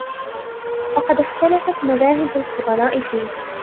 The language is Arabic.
فَقَدْ اخْتَلَفَتْ مَذَاهِبُ الْفُضَلَاءِ فِيهِ